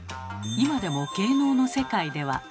今でも芸能の世界では。